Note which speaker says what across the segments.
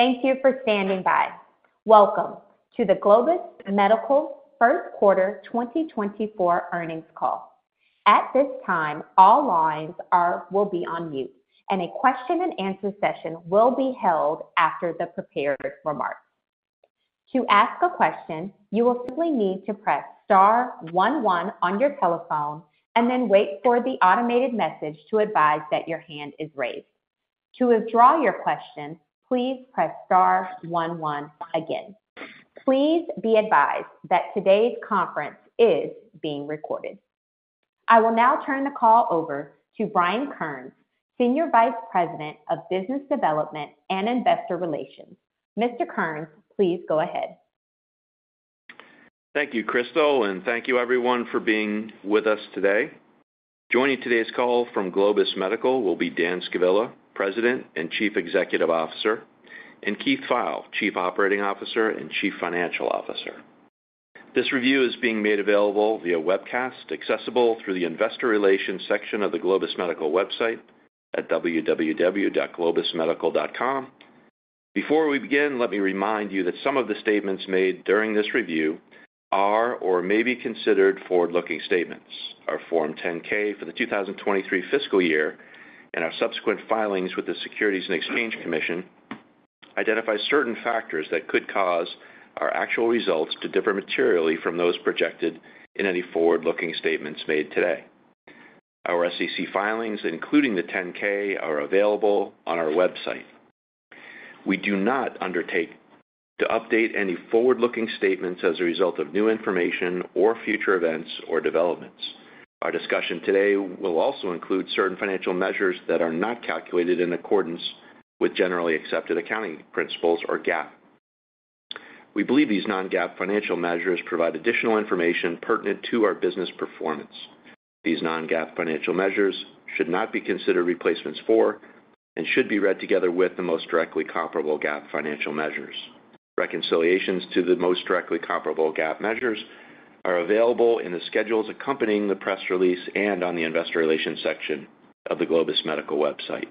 Speaker 1: Thank you for standing by. Welcome to the Globus Medical First Quarter 2024 Earnings Call. At this time, all lines will be on mute, and a question-and-answer session will be held after the prepared remarks. To ask a question, you will simply need to press star one one on your telephone and then wait for the automated message to advise that your hand is raised. To withdraw your question, please press star one one again. Please be advised that today's conference is being recorded. I will now turn the call over to Brian Kearns, Senior Vice President of Business Development and Investor Relations. Mr. Kearns, please go ahead.
Speaker 2: Thank you, Crystal, and thank you everyone for being with us today. Joining today's call from Globus Medical will be Dan Scavilla, President and Chief Executive Officer, and Keith Pfeil, Chief Operating Officer and Chief Financial Officer. This review is being made available via webcast, accessible through the Investor Relations section of the Globus Medical website at www.globusmedical.com. Before we begin, let me remind you that some of the statements made during this review are or may be considered forward-looking statements. Our Form 10-K for the 2023 fiscal year and our subsequent filings with the Securities and Exchange Commission identify certain factors that could cause our actual results to differ materially from those projected in any forward-looking statements made today. Our SEC filings, including the 10-K, are available on our website. We do not undertake to update any forward-looking statements as a result of new information or future events or developments. Our discussion today will also include certain financial measures that are not calculated in accordance with generally accepted accounting principles, or GAAP. We believe these non-GAAP financial measures provide additional information pertinent to our business performance. These non-GAAP financial measures should not be considered replacements for and should be read together with the most directly comparable GAAP financial measures. Reconciliations to the most directly comparable GAAP measures are available in the schedules accompanying the press release and on the Investor Relations section of the Globus Medical website.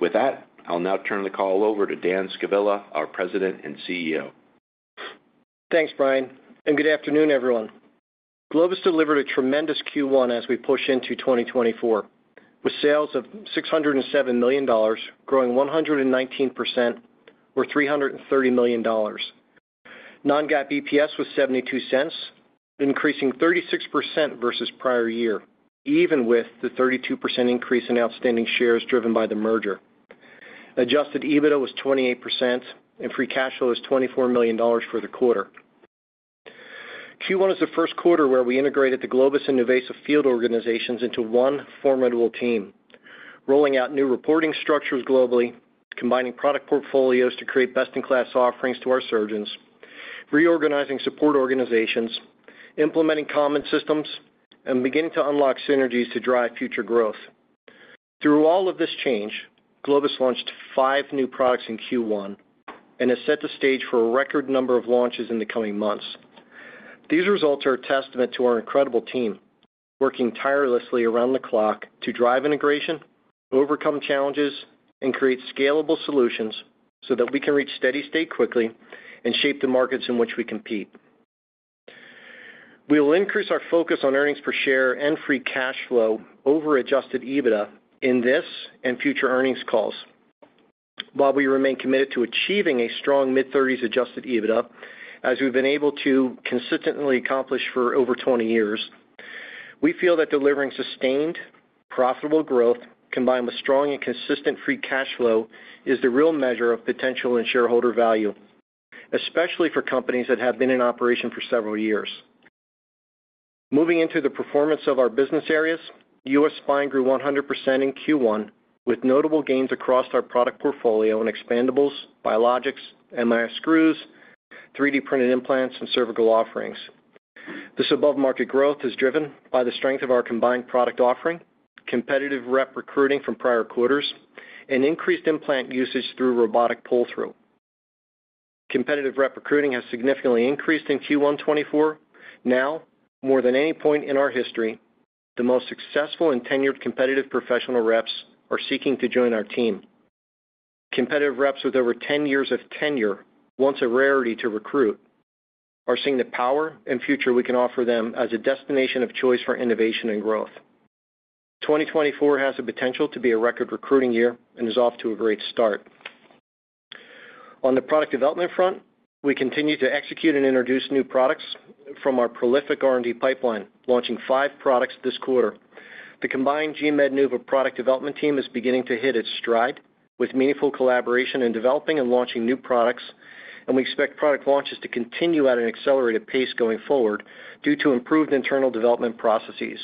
Speaker 2: With that, I'll now turn the call over to Dan Scavilla, our President and CEO.
Speaker 3: Thanks, Brian, and good afternoon, everyone. Globus delivered a tremendous Q1 as we push into 2024, with sales of $607 million, growing 119%, or $330 million. Non-GAAP EPS was $0.72, increasing 36% versus prior year, even with the 32% increase in outstanding shares driven by the merger. Adjusted EBITDA was 28%, and free cash flow was $24 million for the quarter. Q1 is the first quarter where we integrated the Globus and NuVasive field organizations into one formidable team, rolling out new reporting structures globally, combining product portfolios to create best-in-class offerings to our surgeons, reorganizing support organizations, implementing common systems, and beginning to unlock synergies to drive future growth. Through all of this change, Globus launched five new products in Q1 and has set the stage for a record number of launches in the coming months. These results are a testament to our incredible team, working tirelessly around the clock to drive integration, overcome challenges, and create scalable solutions so that we can reach steady state quickly and shape the markets in which we compete. We will increase our focus on earnings per share and Free cash flow over adjusted EBITDA in this and future earnings calls. While we remain committed to achieving a strong mid-30s adjusted EBITDA, as we've been able to consistently accomplish for over 20 years, we feel that delivering sustained, profitable growth combined with strong and consistent Free cash flow is the real measure of potential and shareholder value, especially for companies that have been in operation for several years. Moving into the performance of our business areas, U.S. spine grew 100% in Q1, with notable gains across our product portfolio in expandables, biologics, MR screws, 3D printed implants, and cervical offerings. This above-market growth is driven by the strength of our combined product offering, competitive rep recruiting from prior quarters, and increased implant usage through robotic pull-through. Competitive rep recruiting has significantly increased in Q1 2024. Now, more than any point in our history, the most successful and tenured competitive professional reps are seeking to join our team. Competitive reps with over 10 years of tenure, once a rarity to recruit, are seeing the power and future we can offer them as a destination of choice for innovation and growth. 2024 has the potential to be a record recruiting year and is off to a great start. On the product development front, we continue to execute and introduce new products from our prolific R&D pipeline, launching five products this quarter. The combined GMED-NuVa product development team is beginning to hit its stride with meaningful collaboration in developing and launching new products, and we expect product launches to continue at an accelerated pace going forward due to improved internal development processes.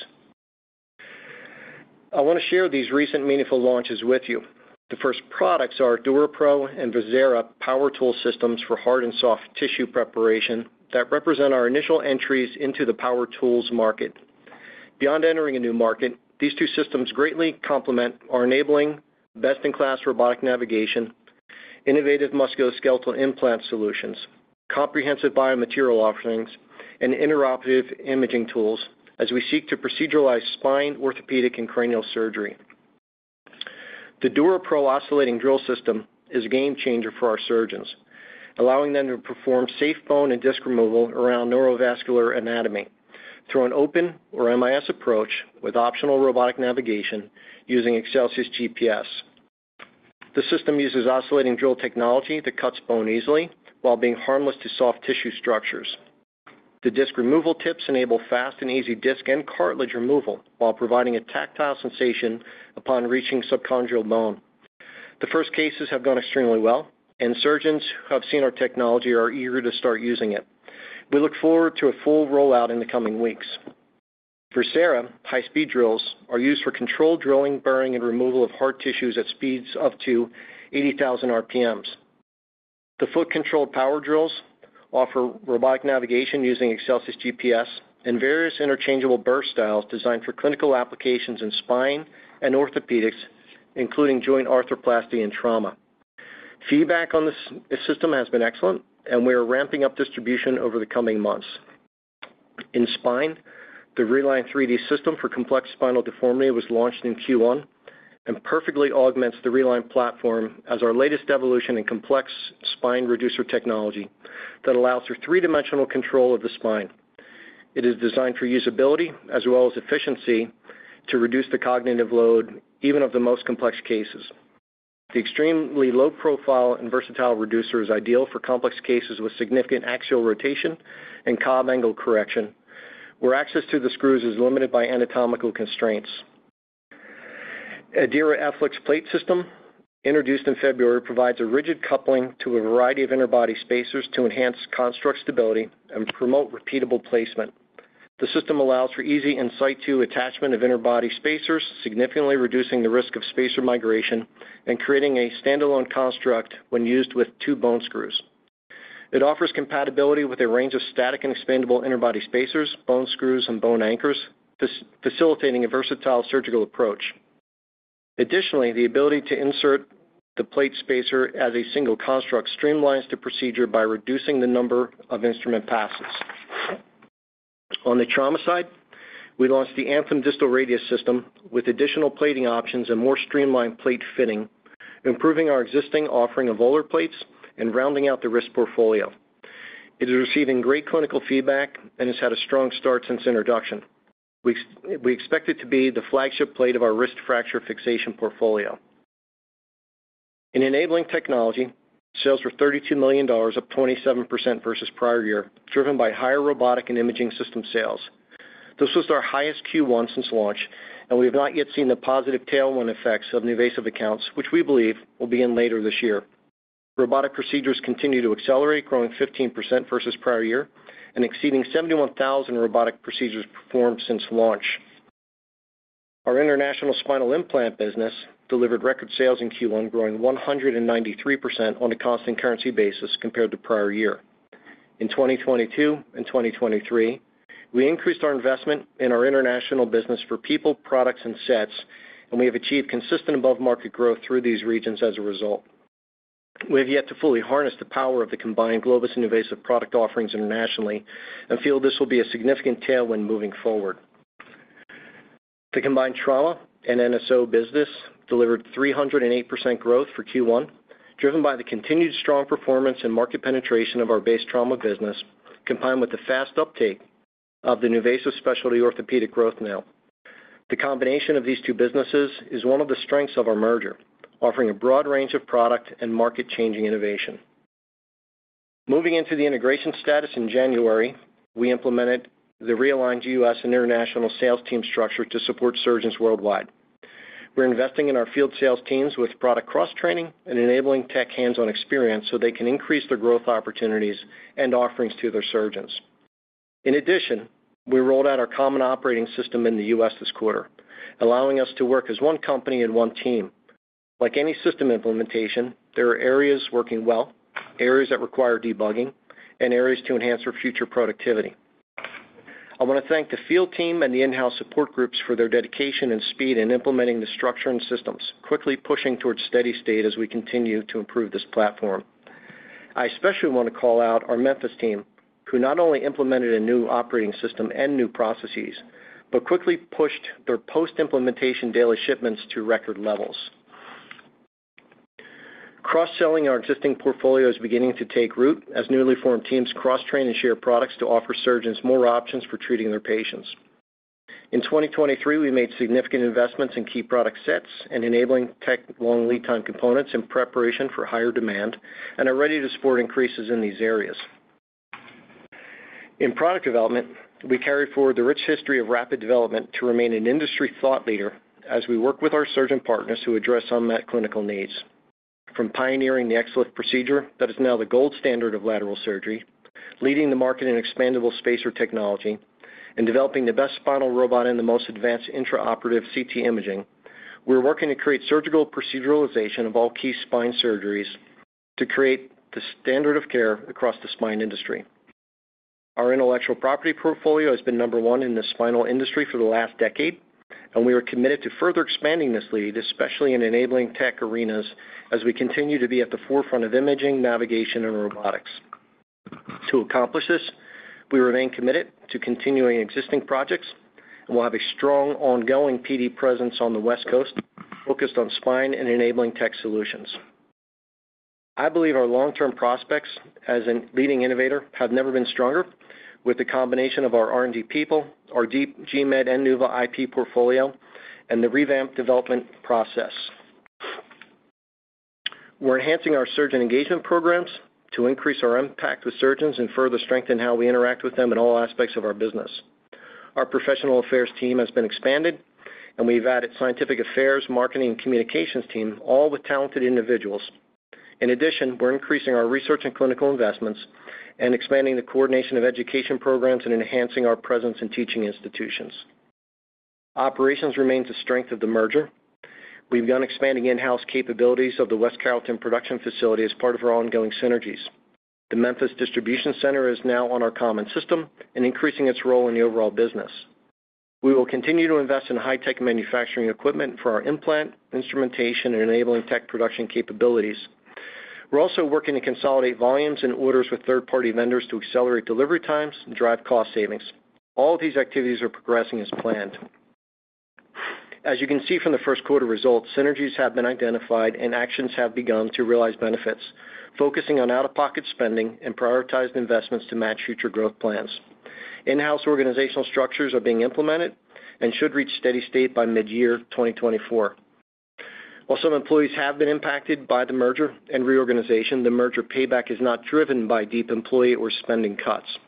Speaker 3: I want to share these recent meaningful launches with you. The first products are DuraPro and Verzera power tool systems for hard and soft tissue preparation that represent our initial entries into the power tools market. Beyond entering a new market, these two systems greatly complement our enabling best-in-class robotic navigation, innovative musculoskeletal implant solutions, comprehensive biomaterial offerings, and intraoperative imaging tools as we seek to proceduralize spine, orthopedic, and cranial surgery. The DuraPro oscillating drill system is a game changer for our surgeons, allowing them to perform safe bone and disc removal around neurovascular anatomy through an open or MIS approach with optional robotic navigation using ExcelsiusGPS. The system uses oscillating drill technology that cuts bone easily while being harmless to soft tissue structures. The disc removal tips enable fast and easy disc and cartilage removal while providing a tactile sensation upon reaching subchondral bone. The first cases have gone extremely well, and surgeons who have seen our technology are eager to start using it. We look forward to a full rollout in the coming weeks. Verzera high-speed drills are used for controlled drilling, burring, and removal of hard tissues at speeds up to 80,000 RPMs. The foot-controlled power drills offer robotic navigation using ExcelsiusGPS and various interchangeable burr styles designed for clinical applications in spine and orthopedics, including joint arthroplasty and trauma. Feedback on this system has been excellent, and we are ramping up distribution over the coming months. In spine, the Reline 3D system for complex spinal deformity was launched in Q1 and perfectly augments the Reline platform as our latest evolution in complex spine reducer technology that allows for three-dimensional control of the spine. It is designed for usability as well as efficiency to reduce the cognitive load even of the most complex cases. The extremely low profile and versatile reducer is ideal for complex cases with significant axial rotation and Cobb angle correction, where access to the screws is limited by anatomical constraints. ADIRA XLIF Plate System, introduced in February, provides a rigid coupling to a variety of interbody spacers to enhance construct stability and promote repeatable placement. The system allows for easy in situ attachment of interbody spacers, significantly reducing the risk of spacer migration and creating a standalone construct when used with two bone screws. It offers compatibility with a range of static and expandable interbody spacers, bone screws, and bone anchors, facilitating a versatile surgical approach. Additionally, the ability to insert the plate spacer as a single construct streamlines the procedure by reducing the number of instrument passes. On the trauma side, we launched the ANTHEM Distal Radius System with additional plating options and more streamlined plate fitting, improving our existing offering of ulnar plates and rounding out the wrist portfolio. It is receiving great clinical feedback and has had a strong start since introduction. We expect it to be the flagship plate of our wrist fracture fixation portfolio. In Enabling Technology, sales were $32 million, up 27% versus prior year, driven by higher robotic and imaging system sales. This was our highest Q1 since launch, and we have not yet seen the positive tailwind effects of NuVasive accounts, which we believe will be in later this year. Robotic procedures continue to accelerate, growing 15% versus prior year and exceeding 71,000 robotic procedures performed since launch. Our international spinal implant business delivered record sales in Q1, growing 193% on a constant currency basis compared to prior year. In 2022 and 2023, we increased our investment in our international business for people, products, and sets, and we have achieved consistent above-market growth through these regions as a result. We have yet to fully harness the power of the combined Globus and NuVasive product offerings internationally and feel this will be a significant tailwind moving forward. The combined trauma and NSO business delivered 308% growth for Q1, driven by the continued strong performance and market penetration of our base trauma business, combined with the fast uptake of the NuVasive Specialized Orthopedics growth now. The combination of these two businesses is one of the strengths of our merger, offering a broad range of product and market-changing innovation. Moving into the integration status in January, we implemented the realigned U.S. and international sales team structure to support surgeons worldwide. We're investing in our field sales teams with product cross-training and enabling tech hands-on experience so they can increase their growth opportunities and offerings to their surgeons. In addition, we rolled out our common operating system in the U.S. this quarter, allowing us to work as one company and one team. Like any system implementation, there are areas working well, areas that require debugging, and areas to enhance our future productivity. I want to thank the field team and the in-house support groups for their dedication and speed in implementing the structure and systems, quickly pushing towards steady state as we continue to improve this platform. I especially want to call out our Memphis team, who not only implemented a new operating system and new processes, but quickly pushed their post-implementation daily shipments to record levels. Cross-selling our existing portfolio is beginning to take root as newly formed teams cross-train and share products to offer surgeons more options for treating their patients. In 2023, we made significant investments in key product sets and enabling tech-long lead time components in preparation for higher demand and are ready to support increases in these areas. In product development, we carry forward the rich history of rapid development to remain an industry thought leader as we work with our surgeon partners to address unmet clinical needs. From pioneering the XLIF procedure that is now the gold standard of lateral surgery, leading the market in expandable spacer technology, and developing the best spinal robot and the most advanced intra-operative CT imaging, we're working to create surgical proceduralization of all key spine surgeries to create the standard of care across the spine industry... Our intellectual property portfolio has been number one in the spinal industry for the last decade, and we are committed to further expanding this lead, especially in enabling tech arenas as we continue to be at the forefront of imaging, navigation, and robotics. To accomplish this, we remain committed to continuing existing projects, and we'll have a strong ongoing PD presence on the West Coast, focused on spine and enabling tech solutions. I believe our long-term prospects as a leading innovator have never been stronger, with the combination of our R&D people, our deep GMED and Nuva IP portfolio, and the revamped development process. We're enhancing our surgeon engagement programs to increase our impact with surgeons and further strengthen how we interact with them in all aspects of our business. Our professional affairs team has been expanded, and we've added scientific affairs, marketing, and communications team, all with talented individuals. In addition, we're increasing our research and clinical investments and expanding the coordination of education programs and enhancing our presence in teaching institutions. Operations remains the strength of the merger. We've begun expanding in-house capabilities of the West Carrollton production facility as part of our ongoing synergies. The Memphis Distribution Center is now on our common system and increasing its role in the overall business. We will continue to invest in high-tech manufacturing equipment for our implant, instrumentation, and enabling tech production capabilities. We're also working to consolidate volumes and orders with third-party vendors to accelerate delivery times and drive cost savings. All of these activities are progressing as planned. As you can see from the first quarter results, synergies have been identified and actions have begun to realize benefits, focusing on out-of-pocket spending and prioritized investments to match future growth plans. In-house organizational structures are being implemented and should reach steady state by mid-year 2024. While some employees have been impacted by the merger and reorganization, the merger payback is not driven by deep employee or spending cuts.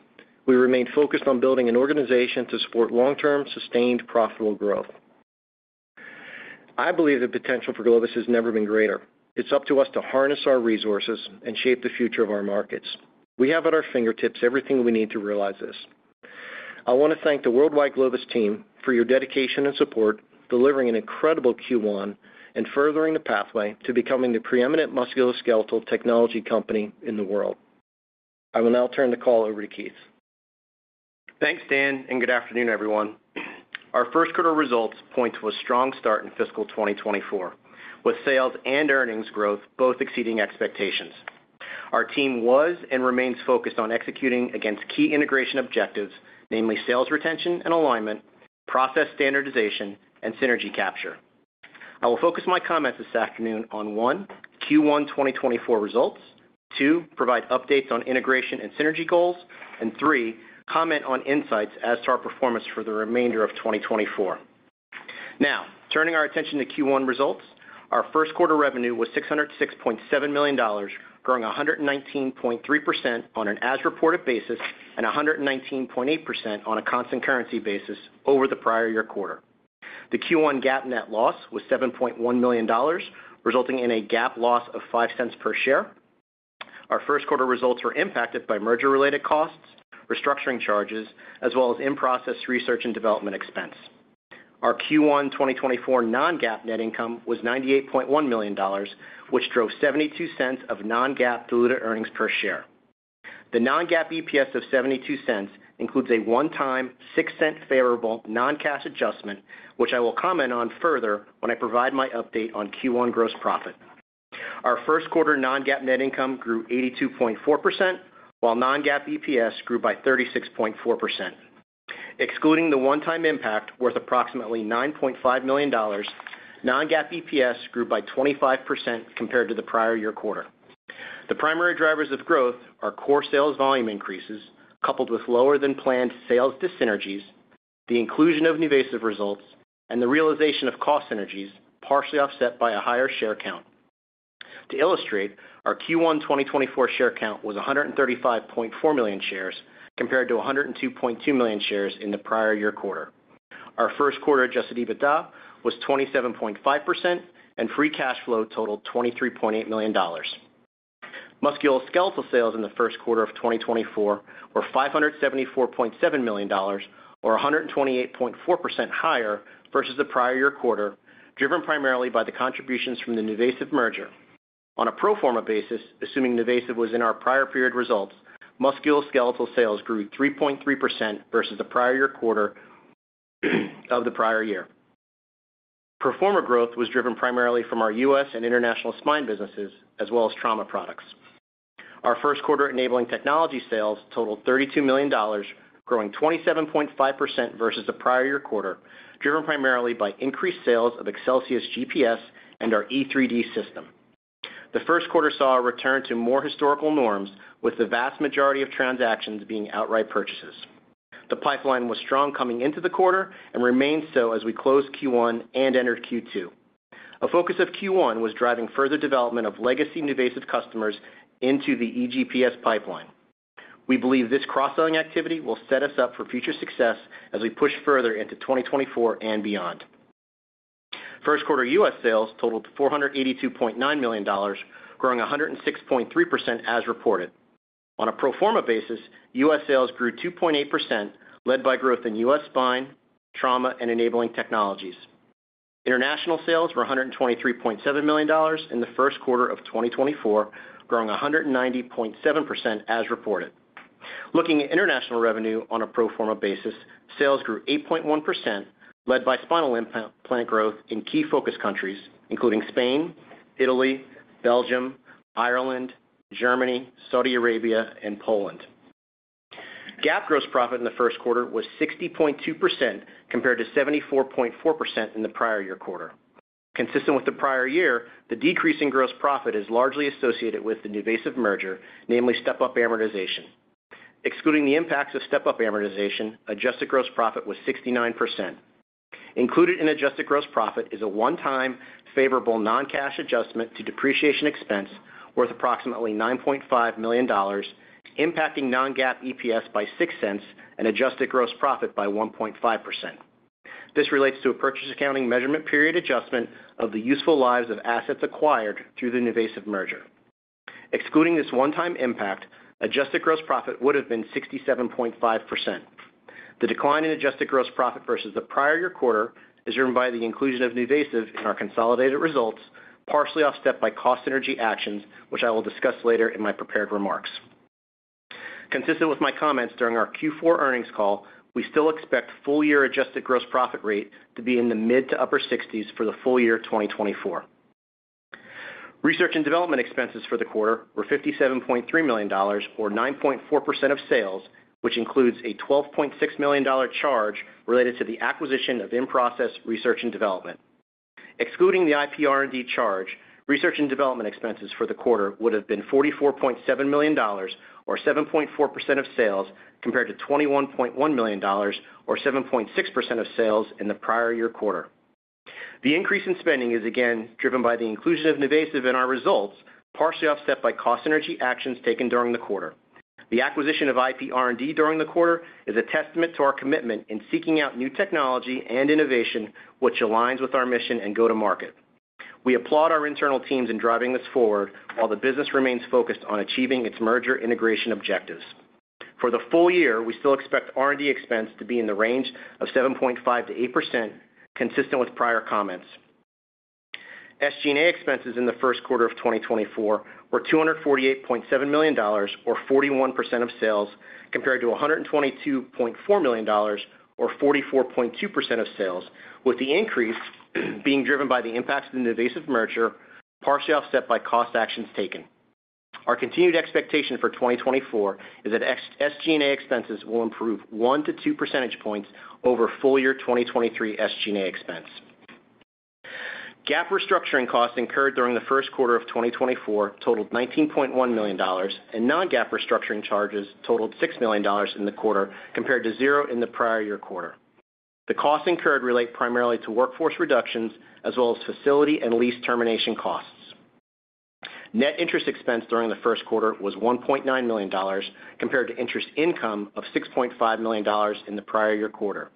Speaker 3: We remain focused on building an organization to support long-term, sustained, profitable growth. I believe the potential for Globus has never been greater. It's up to us to harness our resources and shape the future of our markets. We have at our fingertips everything we need to realize this. I want to thank the worldwide Globus team for your dedication and support, delivering an incredible Q1 and furthering the pathway to becoming the preeminent musculoskeletal technology company in the world. I will now turn the call over to Keith.
Speaker 4: Thanks, Dan, and good afternoon, everyone. Our first quarter results point to a strong start in fiscal 2024, with sales and earnings growth both exceeding expectations. Our team was and remains focused on executing against key integration objectives, namely sales retention and alignment, process standardization, and synergy capture. I will focus my comments this afternoon on one, Q1 2024 results, two, provide updates on integration and synergy goals, and three, comment on insights as to our performance for the remainder of 2024. Now, turning our attention to Q1 results, our first quarter revenue was $606.7 million, growing 119.3% on an as-reported basis and 119.8% on a constant currency basis over the prior-year quarter. The Q1 GAAP net loss was $7.1 million, resulting in a GAAP loss of $0.05 per share. Our first quarter results were impacted by merger-related costs, restructuring charges, as well as in-process research and development expense. Our Q1 2024 non-GAAP net income was $98.1 million, which drove $0.72 of non-GAAP diluted earnings per share. The non-GAAP EPS of $0.72 includes a one-time $0.06 favorable non-cash adjustment, which I will comment on further when I provide my update on Q1 gross profit. Our first quarter non-GAAP net income grew 82.4%, while non-GAAP EPS grew by 36.4%. Excluding the one-time impact, worth approximately $9.5 million, non-GAAP EPS grew by 25% compared to the prior-year quarter. The primary drivers of growth are core sales volume increases, coupled with lower-than-planned sales dyssynergies, the inclusion of NuVasive results, and the realization of cost synergies, partially offset by a higher share count. To illustrate, our Q1 2024 share count was 135.4 million shares, compared to 102.2 million shares in the prior-year quarter. Our first quarter adjusted EBITDA was 27.5%, and free cash flow totaled $23.8 million. Musculoskeletal sales in the first quarter of 2024 were $574.7 million or 128.4% higher versus the prior-year quarter, driven primarily by the contributions from the NuVasive merger. On a pro forma basis, assuming NuVasive was in our prior-period results, Musculoskeletal sales grew 3.3% versus the prior-year quarter of the prior year. Pro forma growth was driven primarily from our U.S. and international spine businesses, as well as trauma products. Our first quarter Enabling Technology sales totaled $32 million, growing 27.5% versus the prior-year quarter, driven primarily by increased sales of ExcelsiusGPS and our E3D system. The first quarter saw a return to more historical norms, with the vast majority of transactions being outright purchases. The pipeline was strong coming into the quarter and remains so as we close Q1 and entered Q2. A focus of Q1 was driving further development of legacy NuVasive customers into the EGPS pipeline. We believe this cross-selling activity will set us up for future success as we push further into 2024 and beyond. First quarter U.S. sales totaled $482.9 million, growing 106.3% as reported. On a pro forma basis, U.S. sales grew 2.8%, led by growth in U.S. spine, trauma, and enabling technologies. International sales were $123.7 million in the first quarter of 2024, growing 190.7% as reported. Looking at international revenue on a pro forma basis, sales grew 8.1%, led by spinal implant growth in key focus countries, including Spain, Italy, Belgium, Ireland, Germany, Saudi Arabia and Poland. GAAP gross profit in the first quarter was 60.2%, compared to 74.4% in the prior-year quarter. Consistent with the prior year, the decrease in gross profit is largely associated with the NuVasive merger, namely step-up amortization. Excluding the impacts of step-up amortization, adjusted gross profit was 69%. Included in adjusted gross profit is a one-time favorable non-cash adjustment to depreciation expense worth approximately $9.5 million, impacting non-GAAP EPS by $0.06 and adjusted gross profit by 1.5%. This relates to a purchase accounting measurement period adjustment of the useful lives of assets acquired through the NuVasive merger. Excluding this one-time impact, adjusted gross profit would have been 67.5%. The decline in adjusted gross profit versus the prior-year quarter is driven by the inclusion of NuVasive in our consolidated results, partially offset by cost synergy actions, which I will discuss later in my prepared remarks. Consistent with my comments during our Q4 earnings call, we still expect full-year adjusted gross profit rate to be in the mid- to upper-60s% for the full year 2024. Research and development expenses for the quarter were $57.3 million, or 9.4% of sales, which includes a $12.6 million charge related to the acquisition of in-process research and development. Excluding the IP R&D charge, research and development expenses for the quarter would have been $44.7 million, or 7.4% of sales, compared to $21.1 million, or 7.6% of sales in the prior-year quarter. The increase in spending is again driven by the inclusion of NuVasive in our results, partially offset by cost synergy actions taken during the quarter. The acquisition of IP R&D during the quarter is a testament to our commitment in seeking out new technology and innovation, which aligns with our mission and go-to-market. We applaud our internal teams in driving this forward, while the business remains focused on achieving its merger integration objectives. For the full year, we still expect R&D expense to be in the range of 7.5% to 8%, consistent with prior comments. SG&A expenses in the first quarter of 2024 were $248.7 million, or 41% of sales, compared to $122.4 million, or 44.2% of sales, with the increase being driven by the impacts of the NuVasive merger, partially offset by cost actions taken. Our continued expectation for 2024 is that SG&A expenses will improve 1 percentage points to 2 percentage points over full year 2023 SG&A expense. GAAP restructuring costs incurred during the first quarter of 2024 totaled $19.1 million, and non-GAAP restructuring charges totaled $6 million in the quarter, compared to $0 in the prior-year quarter. The costs incurred relate primarily to workforce reductions, as well as facility and lease termination costs. Net interest expense during the first quarter was $1.9 million, compared to interest income of $6.5 million in the prior-year quarter.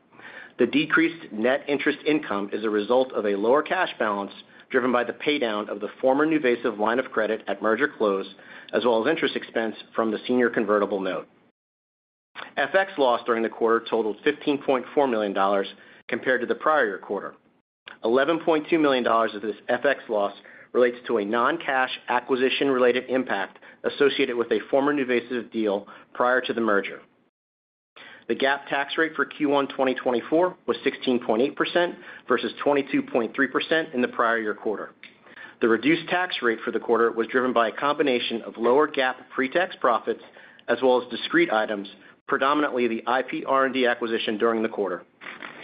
Speaker 4: The decreased net interest income is a result of a lower cash balance, driven by the paydown of the former NuVasive line of credit at merger close, as well as interest expense from the Senior Convertible Note. FX loss during the quarter totaled $15.4 million compared to the prior-year quarter. $11.2 million of this FX loss relates to a non-cash acquisition-related impact associated with a former NuVasive deal prior to the merger. The GAAP tax rate for Q1 2024 was 16.8% versus 22.3% in the prior-year quarter. The reduced tax rate for the quarter was driven by a combination of lower GAAP pre-tax profits as well as discrete items, predominantly the IP R&D acquisition during the quarter.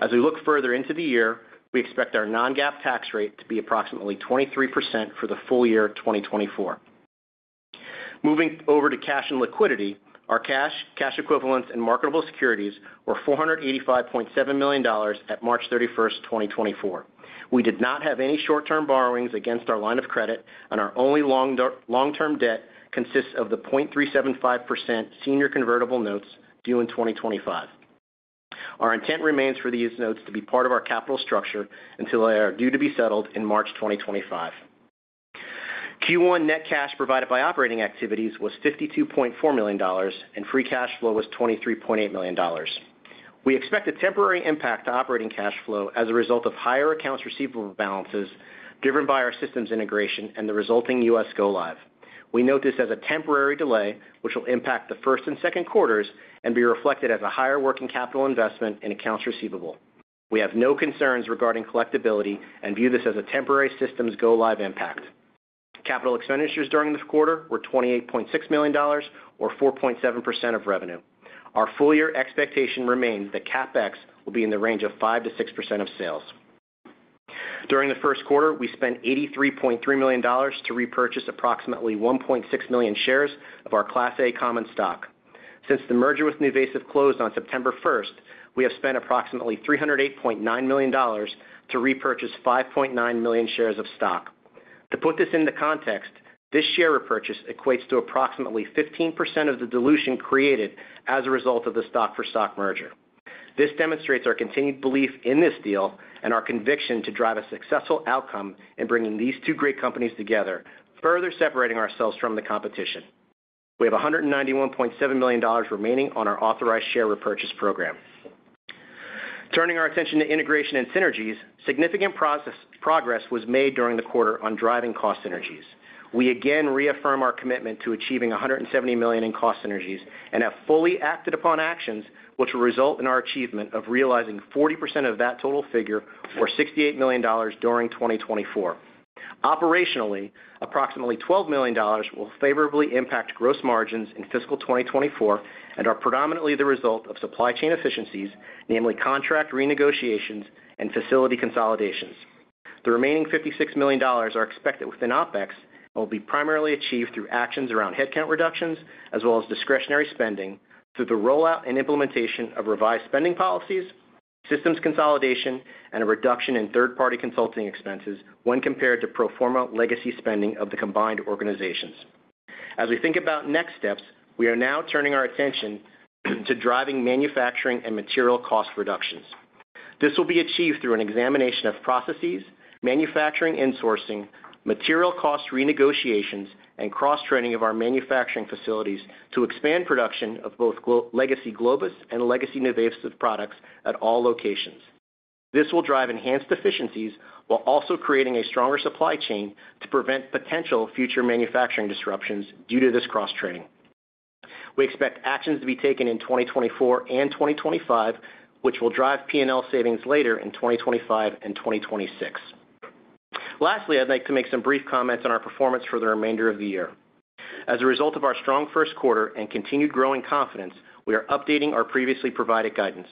Speaker 4: As we look further into the year, we expect our non-GAAP tax rate to be approximately 23% for the full year 2024. Moving over to cash and liquidity, our cash, cash equivalents, and marketable securities were $485.7 million at March 31, 2024. We did not have any short-term borrowings against our line of credit, and our only long-term debt consists of the 0.375% Senior Convertible Notes due in 2025. Our intent remains for these notes to be part of our capital structure until they are due to be settled in March 2025. Q1 net cash provided by operating activities was $52.4 million, and free cash flow was $23.8 million. We expect a temporary impact to operating cash flow as a result of higher accounts receivable balances driven by our systems integration and the resulting U.S. go-live. We note this as a temporary delay, which will impact the first and second quarters and be reflected as a higher working capital investment in accounts receivable. We have no concerns regarding collectibility and view this as a temporary systems go live impact. CapEx during this quarter were $28.6 million, or 4.7% of revenue. Our full-year expectation remains that CapEx will be in the range of 5% to 6% of sales. During the first quarter, we spent $83.3 million to repurchase approximately 1.6 million shares of our Class A common stock. Since the merger with NuVasive closed on September 1st, we have spent approximately $308.9 million to repurchase 5.9 million shares of stock. To put this into context, this share repurchase equates to approximately 15% of the dilution created as a result of the stock-for-stock merger. This demonstrates our continued belief in this deal and our conviction to drive a successful outcome in bringing these two great companies together, further separating ourselves from the competition. We have $191.7 million remaining on our authorized share repurchase program. Turning our attention to integration and synergies, significant progress was made during the quarter on driving cost synergies. We again reaffirm our commitment to achieving $170 million in cost synergies, and have fully acted upon actions, which will result in our achievement of realizing 40% of that total figure, or $68 million during 2024. Operationally, approximately $12 million will favorably impact gross margins in fiscal 2024 and are predominantly the result of supply chain efficiencies, namely contract renegotiations and facility consolidations. The remaining $56 million are expected within OpEx and will be primarily achieved through actions around headcount reductions, as well as discretionary spending through the rollout and implementation of revised spending policies, systems consolidation, and a reduction in third-party consulting expenses when compared to pro forma legacy spending of the combined organizations. As we think about next steps, we are now turning our attention to driving manufacturing and material cost reductions. This will be achieved through an examination of processes, manufacturing and sourcing, material cost renegotiations, and cross-training of our manufacturing facilities to expand production of both legacy Globus and legacy NuVasive products at all locations. This will drive enhanced efficiencies while also creating a stronger supply chain to prevent potential future manufacturing disruptions due to this cross-training. We expect actions to be taken in 2024 and 2025, which will drive P&L savings later in 2025 and 2026. Lastly, I'd like to make some brief comments on our performance for the remainder of the year. As a result of our strong first quarter and continued growing confidence, we are updating our previously provided guidance.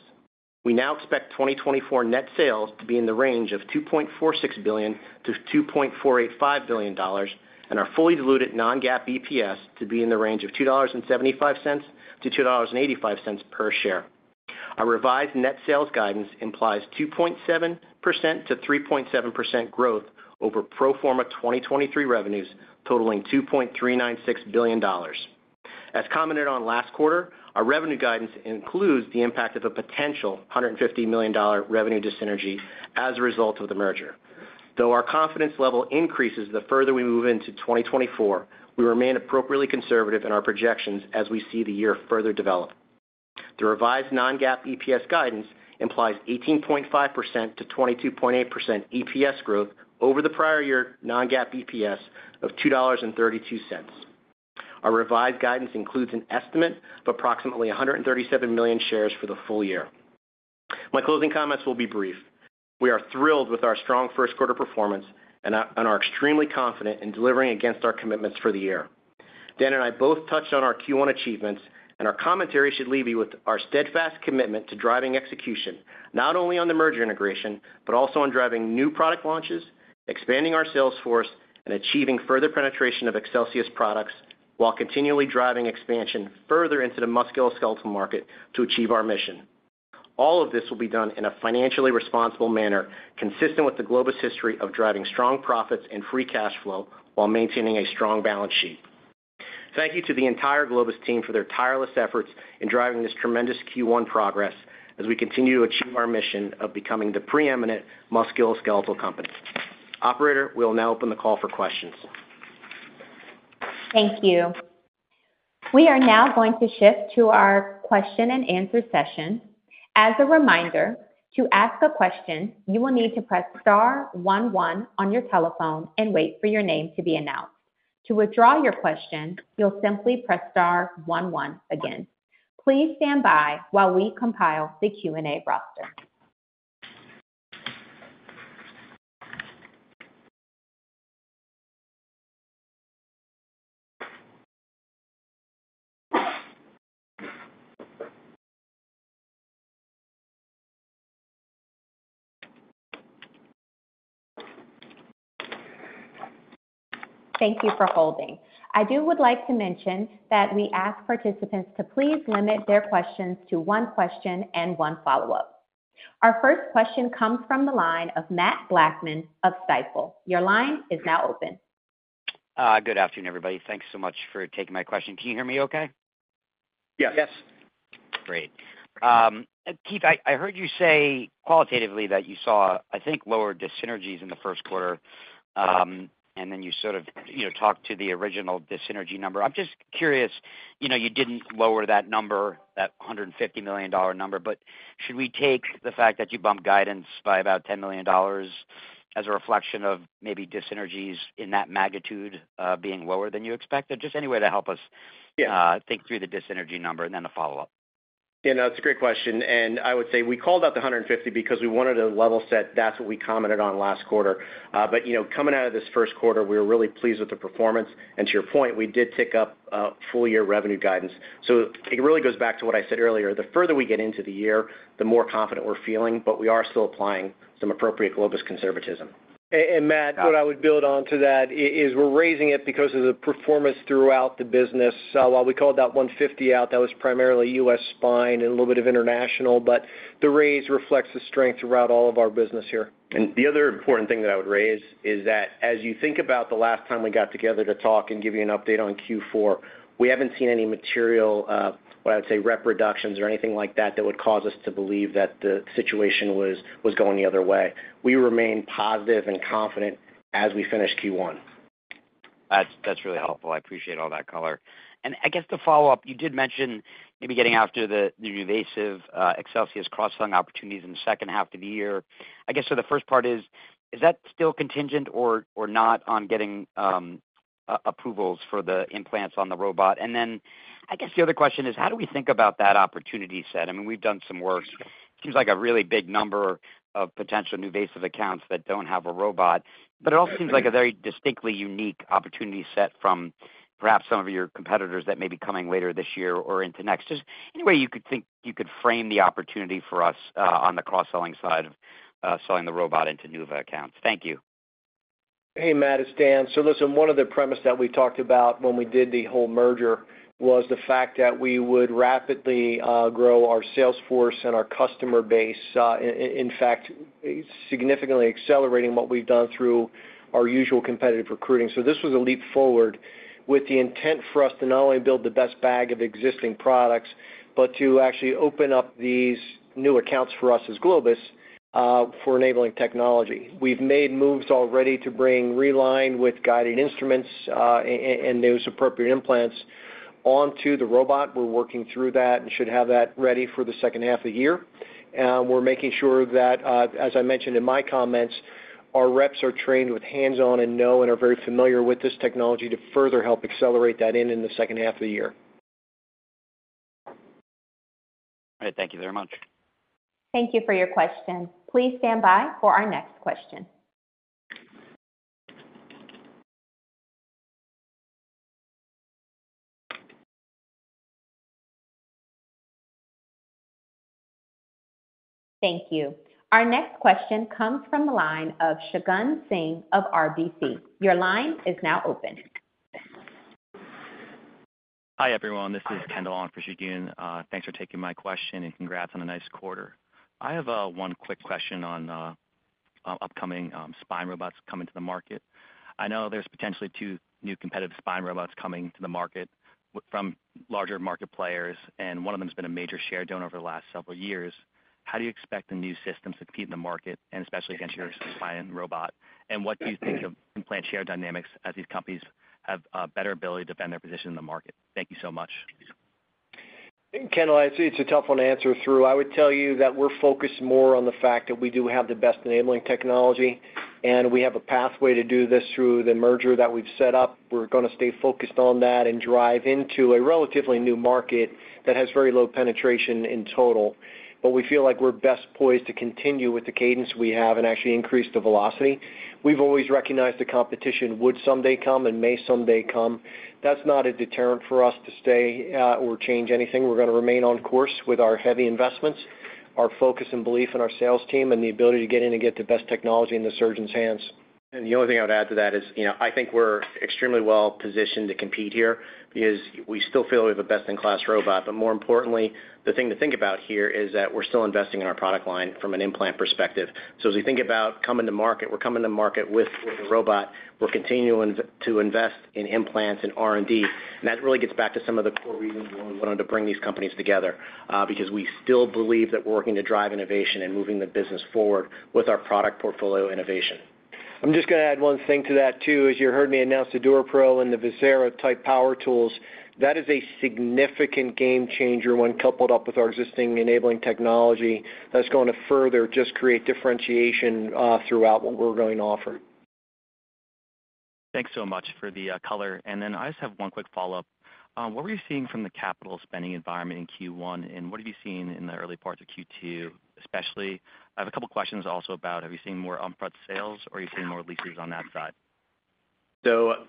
Speaker 4: We now expect 2024 net sales to be in the range of $2.46 billion-$2.485 billion, and our fully diluted non-GAAP EPS to be in the range of $2.75-$2.85 per share. Our revised net sales guidance implies 2.7% to 3.7% growth over pro forma 2023 revenues, totaling $2.396 billion. As commented on last quarter, our revenue guidance includes the impact of a potential $150 million revenue dyssynergy as a result of the merger. Though our confidence level increases the further we move into 2024, we remain appropriately conservative in our projections as we see the year further develop. The revised non-GAAP EPS guidance implies 18.5% to 22.8% EPS growth over the prior-year non-GAAP EPS of $2.32. Our revised guidance includes an estimate of approximately 137 million shares for the full year. My closing comments will be brief. We are thrilled with our strong first quarter performance and are extremely confident in delivering against our commitments for the year. Dan and I both touched on our Q1 achievements, and our commentary should leave you with our steadfast commitment to driving execution, not only on the merger integration, but also on driving new product launches, expanding our sales force, and achieving further penetration of Excelsius products, while continually driving expansion further into the musculoskeletal market to achieve our mission. All of this will be done in a financially responsible manner, consistent with the Globus history of driving strong profits and free cash flow while maintaining a strong balance sheet. Thank you to the entire Globus team for their tireless efforts in driving this tremendous Q1 progress as we continue to achieve our mission of becoming the preeminent musculoskeletal company. Operator, we'll now open the call for questions.
Speaker 1: Thank you. We are now going to shift to our question-and-answer session. As a reminder, to ask a question, you will need to press star one one on your telephone and wait for your name to be announced. To withdraw your question, you'll simply press star one one again. Please stand by while we compile the Q&A roster. Thank you for holding. I would like to mention that we ask participants to please limit their questions to one question and one follow-up. Our first question comes from the line of Matt Blackman of Stifel. Your line is now open.
Speaker 5: Good afternoon, everybody. Thanks so much for taking my question. Can you hear me okay?
Speaker 3: Yes.
Speaker 4: Yes.
Speaker 5: Great. Keith, I heard you say qualitatively that you saw, I think, lower dyssynergies in the first quarter, and then you sort of, you know, talked to the original dyssynergy number. I'm just curious, you know, you didn't lower that number, that $150 million number, but should we take the fact that you bumped guidance by about $10 million as a reflection of maybe dyssynergies in that magnitude being lower than you expected? Just any way to help us—
Speaker 4: Yeah.
Speaker 5: Think through the dyssynergy number, and then the follow-up.
Speaker 4: Yeah, that's a great question, and I would say we called out the 150 because we wanted to level set. That's what we commented on last quarter. But you know, coming out of this first quarter, we were really pleased with the performance. And to your point, we did tick up full-year revenue guidance. So it really goes back to what I said earlier: the further we get into the year, the more confident we're feeling, but we are still applying some appropriate Globus conservatism.
Speaker 3: And Matt, what I would build on to that is we're raising it because of the performance throughout the business. So while we called that $150 million out, that was primarily U.S. spine and a little bit of international, but the raise reflects the strength throughout all of our business here.
Speaker 4: The other important thing that I would raise is that as you think about the last time we got together to talk and give you an update on Q4, we haven't seen any material, what I would say, rep reductions or anything like that, that would cause us to believe that the situation was going the other way. We remain positive and confident as we finish Q1.
Speaker 5: That's, that's really helpful. I appreciate all that color. And I guess the follow-up, you did mention maybe getting after the, the NuVasive Excelsius cross-selling opportunities in the second half of the year. I guess, so the first part is, is that still contingent or, or not on getting approvals for the implants on the robot? And then I guess the other question is: how do we think about that opportunity set? I mean, we've done some work. Seems like a really big number of potential NuVasive accounts that don't have a robot. But it also seems like a very distinctly unique opportunity set from perhaps some of your competitors that may be coming later this year or into next. Just any way you could frame the opportunity for us, on the cross-selling side of selling the robot into NuVa accounts. Thank you.
Speaker 3: Hey, Matt, it's Dan. So listen, one of the premise that we talked about when we did the whole merger was the fact that we would rapidly grow our sales force and our customer base. In fact, significantly accelerating what we've done through our usual competitive recruiting. So this was a leap forward with the intent for us to not only build the best bag of existing products, but to actually open up these new accounts for us as Globus for enabling technology. We've made moves already to bring Reline with guided instruments and those appropriate implants onto the robot. We're working through that and should have that ready for the second half of the year. We're making sure that, as I mentioned in my comments, our reps are trained with hands-on and know and are very familiar with this technology to further help accelerate that in the second half of the year.
Speaker 5: All right. Thank you very much.
Speaker 1: Thank you for your question. Please stand by for our next question. Thank you. Our next question comes from the line of Shagun Singh of RBC. Your line is now open.
Speaker 6: Hi, everyone. This is Kendall on for Shagun. Thanks for taking my question, and congrats on a nice quarter. I have one quick question on upcoming spine robots coming to the market. I know there's potentially two new competitive spine robots coming to the market from larger market players, and one of them has been a major share donor over the last several years. How do you expect the new systems to compete in the market, and especially against your spine robot? And what do you think of implant share dynamics as these companies have a better ability to defend their position in the market? Thank you so much.
Speaker 3: Kendall, it's a tough one to answer through. I would tell you that we're focused more on the fact that we do have the best enabling technology, and we have a pathway to do this through the merger that we've set up. We're going to stay focused on that and drive into a relatively new market that has very low penetration in total. But we feel like we're best poised to continue with the cadence we have and actually increase the velocity. We've always recognized the competition would someday come and may someday come. That's not a deterrent for us to stay, or change anything. We're going to remain on course with our heavy investments, our focus and belief in our sales team, and the ability to get in and get the best technology in the surgeon's hands.
Speaker 4: The only thing I would add to that is, you know, I think we're extremely well positioned to compete here because we still feel we have a best-in-class robot. But more importantly, the thing to think about here is that we're still investing in our product line from an implant perspective. So as we think about coming to market, we're coming to market with a robot. We're continuing to invest in implants and R&D, and that really gets back to some of the core reasons why we wanted to bring these companies together, because we still believe that we're working to drive innovation and moving the business forward with our product portfolio innovation.
Speaker 3: I'm just going to add one thing to that, too. As you heard me announce the DuraPro and the Verzera-type power tools, that is a significant game changer when coupled up with our existing enabling technology. That's going to further just create differentiation throughout what we're going to offer.
Speaker 6: Thanks so much for the color. Then I just have one quick follow-up. What were you seeing from the capital spending environment in Q1, and what have you seen in the early parts of Q2, especially? I have a couple questions also about, have you seen more upfront sales or have you seen more leases on that side?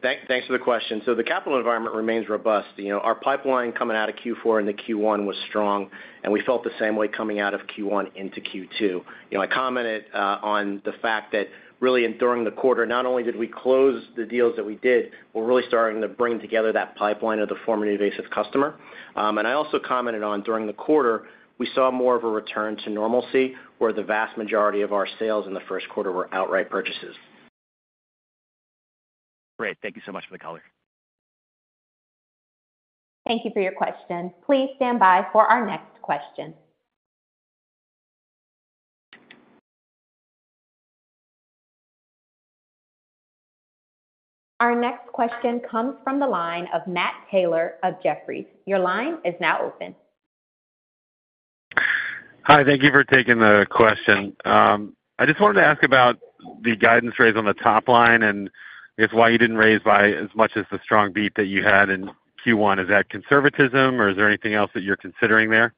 Speaker 4: Thanks for the question. The capital environment remains robust. You know, our pipeline coming out of Q4 into Q1 was strong, and we felt the same way coming out of Q1 into Q2. You know, I commented on the fact that really during the quarter, not only did we close the deals that we did, we're really starting to bring together that pipeline of the former NuVasive customer. I also commented on, during the quarter, we saw more of a return to normalcy, where the vast majority of our sales in the first quarter were outright purchases.
Speaker 6: Great. Thank you so much for the color.
Speaker 1: Thank you for your question. Please stand by for our next question. Our next question comes from the line of Matt Taylor of Jefferies. Your line is now open.
Speaker 7: Hi, thank you for taking the question. I just wanted to ask about the guidance raise on the top line and I guess why you didn't raise by as much as the strong beat that you had in Q1. Is that conservatism, or is there anything else that you're considering there?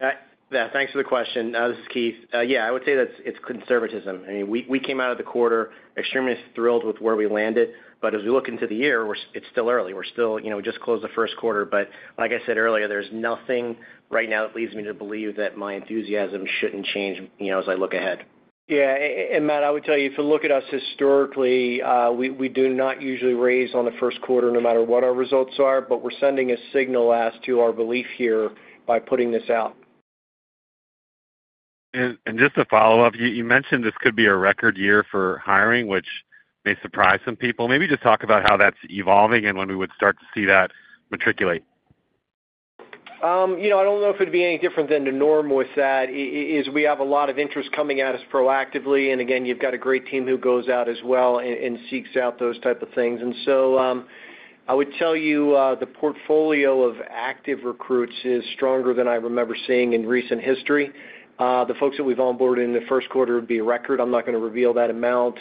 Speaker 4: Yeah, thanks for the question. This is Keith. Yeah, I would say it's conservatism. I mean, we came out of the quarter extremely thrilled with where we landed, but as we look into the year, it's still early. We're still, you know, we just closed the first quarter, but like I said earlier, there's nothing right now that leads me to believe that my enthusiasm shouldn't change, you know, as I look ahead.
Speaker 3: Yeah, and Matt, I would tell you, if you look at us historically, we do not usually raise on the first quarter, no matter what our results are, but we're sending a signal as to our belief here by putting this out.
Speaker 7: Just to follow up, you mentioned this could be a record year for hiring, which may surprise some people. Maybe just talk about how that's evolving and when we would start to see that matriculate.
Speaker 3: You know, I don't know if it'd be any different than the norm with that. It is we have a lot of interest coming at us proactively, and again, you've got a great team who goes out as well and seeks out those type of things. And so, I would tell you, the portfolio of active recruits is stronger than I remember seeing in recent history. The folks that we've onboarded in the first quarter would be a record. I'm not going to reveal that amount.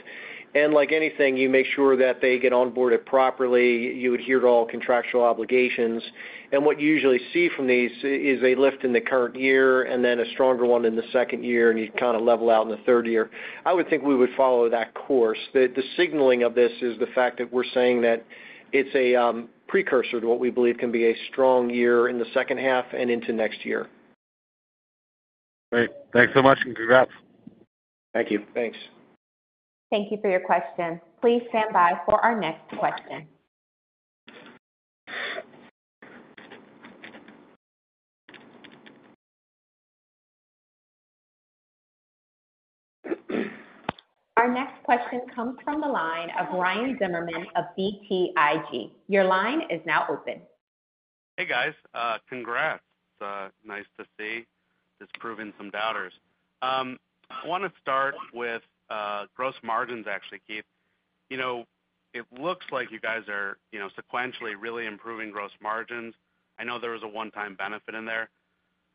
Speaker 3: And like anything, you make sure that they get onboarded properly, you adhere to all contractual obligations. And what you usually see from these is a lift in the current year and then a stronger one in the second year, and you kind of level out in the third year. I would think we would follow that course. The signaling of this is the fact that we're saying that it's a precursor to what we believe can be a strong year in the second half and into next year.
Speaker 7: Great. Thanks so much, and congrats.
Speaker 4: Thank you.
Speaker 3: Thanks.
Speaker 1: Thank you for your question. Please stand by for our next question. Our next question comes from the line of Ryan Zimmerman of BTIG. Your line is now open.
Speaker 8: Hey, guys, congrats. Nice to see disproving some doubters. I want to start with gross margins, actually, Keith. You know, it looks like you guys are, you know, sequentially really improving gross margins. I know there was a one-time benefit in there,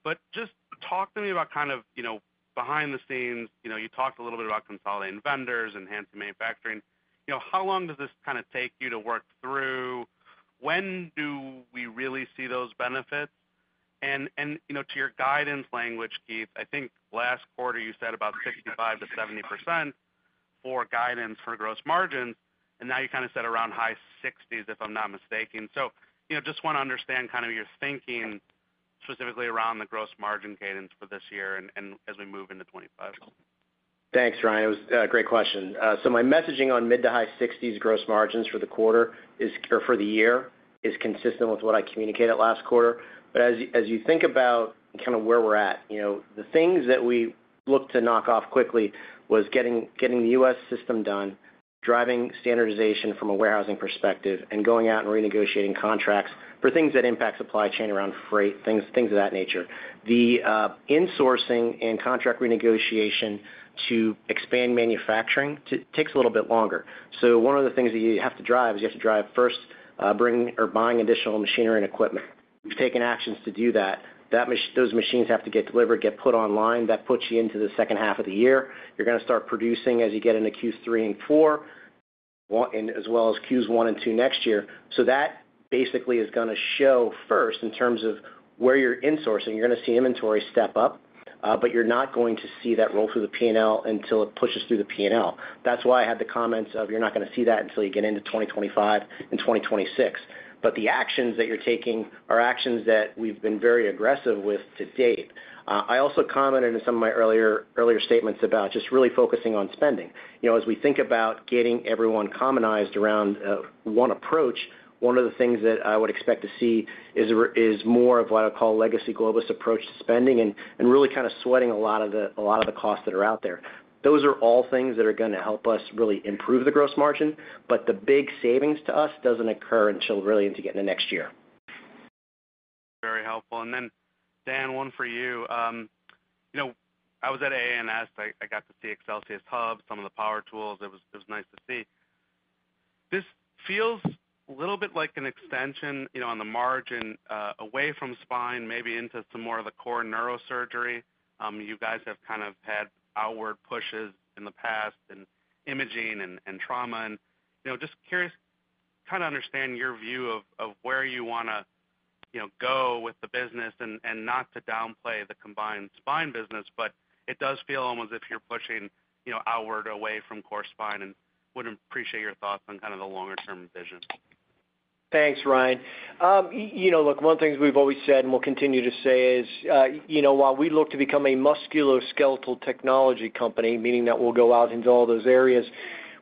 Speaker 8: but just talk to me about kind of, you know, behind the scenes. You know, you talked a little bit about consolidating vendors, enhanced manufacturing. You know, how long does this kind of take you to work through? When do we really see those benefits? And, and, you know, to your guidance language, Keith, I think last quarter you said about 65% to 70% for guidance for gross margins, and now you kind of said around high 60s, if I'm not mistaken. You know, just want to understand kind of your thinking, specifically around the gross margin cadence for this year and as we move into 2025.
Speaker 4: Thanks, Ryan. It was a great question. So my messaging on mid- to high-60s gross margins for the quarter, or for the year, is consistent with what I communicated last quarter. But as you think about kind of where we're at, you know, the things that we looked to knock off quickly was getting the U.S. system done, driving standardization from a warehousing perspective, and going out and renegotiating contracts for things that impact supply chain around freight, things of that nature. The insourcing and contract renegotiation to expand manufacturing takes a little bit longer. So one of the things that you have to drive is you have to drive first bringing or buying additional machinery and equipment. We've taken actions to do that. Those machines have to get delivered, get put online. That puts you into the second half of the year. You're going to start producing as you get into Q3 and Q4, and as well as Q1 and Q2 next year. So that basically is going to show first in terms of where you're insourcing. You're going to see inventory step up, but you're not going to see that roll through the P&L until it pushes through the P&L. That's why I had the comments of, you're not going to see that until you get into 2025 and 2026. But the actions that you're taking are actions that we've been very aggressive with to date. I also commented in some of my earlier, earlier statements about just really focusing on spending. You know, as we think about getting everyone commonized around one approach, one of the things that I would expect to see is more of what I call legacy Globus approach to spending and really kind of sweating a lot of the costs that are out there. Those are all things that are going to help us really improve the gross margin, but the big savings to us doesn't occur until really into getting the next year.
Speaker 8: Very helpful. And then, Dan, one for you. You know, I was at AANS. I got to see ExcelsiusHub, some of the power tools. It was nice to see. This feels a little bit like an extension, you know, on the margin, away from spine, maybe into some more of the core neurosurgery. You guys have kind of had outward pushes in the past in imaging and trauma. And, you know, just curious, kind of understand your view of where you want to, you know, go with the business and not to downplay the combined spine business, but it does feel almost as if you're pushing, you know, outward away from core spine and would appreciate your thoughts on kind of the longer-term vision.
Speaker 3: Thanks, Ryan. You know, look, one of the things we've always said and will continue to say is, you know, while we look to become a musculoskeletal technology company, meaning that we'll go out into all those areas,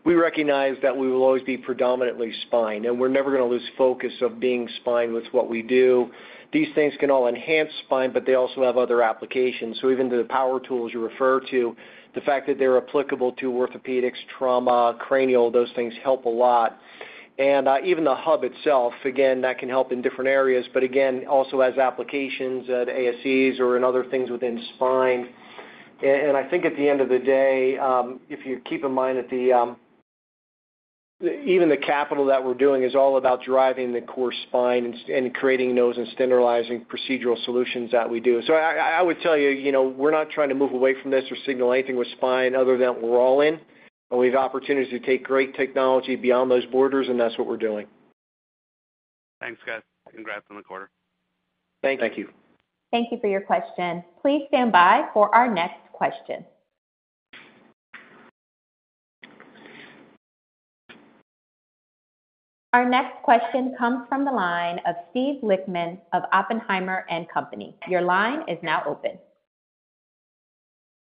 Speaker 3: we recognize that we will always be predominantly spine, and we're never going to lose focus of being spine. That's what we do. These things can all enhance spine, but they also have other applications. So even the power tools you refer to, the fact that they're applicable to orthopedics, trauma, cranial, those things help a lot. And, even the hub itself, again, that can help in different areas, but again, also has applications at ASCs or in other things within spine. And I think at the end of the day, if you keep in mind that even the capital that we're doing is all about driving the core spine and creating those and standardizing procedural solutions that we do. So I would tell you, you know, we're not trying to move away from this or signal anything with spine other than we're all in, and we have opportunities to take great technology beyond those borders, and that's what we're doing.
Speaker 8: Thanks, guys. Congrats on the quarter.
Speaker 4: Thank you.
Speaker 3: Thank you.
Speaker 1: Thank you for your question. Please stand by for our next question. Our next question comes from the line of Steve Lichtman of Oppenheimer and Company. Your line is now open.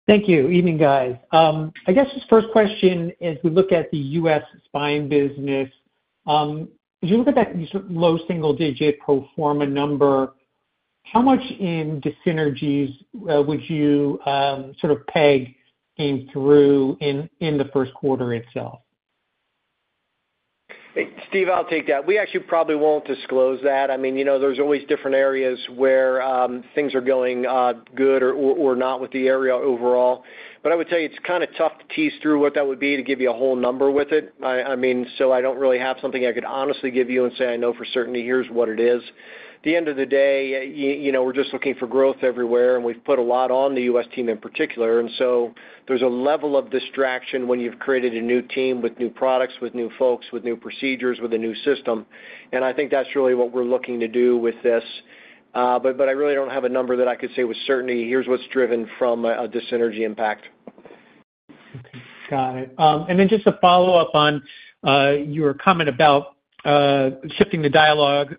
Speaker 9: Thank you. Evening, guys. I guess this first question, as we look at the U.S. spine business, as you look at that low single digit pro forma number, how much in dyssynergies would you sort of peg came through in the first quarter itself?
Speaker 3: Steve, I'll take that. We actually probably won't disclose that. I mean, you know, there's always different areas where things are going good or not with the area overall. But I would tell you, it's kind of tough to tease through what that would be to give you a whole number with it. I mean, so I don't really have something I could honestly give you and say, "I know for certain that here's what it is." At the end of the day, you know, we're just looking for growth everywhere, and we've put a lot on the US team in particular. And so there's a level of distraction when you've created a new team with new products, with new folks, with new procedures, with a new system. And I think that's really what we're looking to do with this. But I really don't have a number that I could say with certainty. Here's what's driven from the synergy impact.
Speaker 9: Okay, got it. And then just a follow-up on your comment about shifting the dialogue,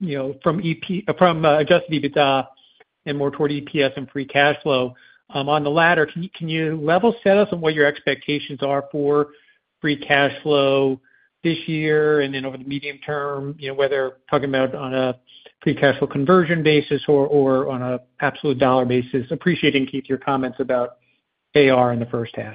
Speaker 9: you know, from adjusted EBITDA and more toward EPS and free cash flow. On the latter, can you level set us on what your expectations are for free cash flow this year and then over the medium term? You know, whether talking about on a free cash flow conversion basis or on an absolute dollar basis. Appreciating, Keith, your comments about AR in the first half.